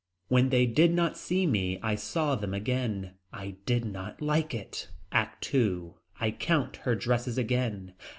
When they did not see me. I saw them again. I did not like it. ACT II. I count her dresses again.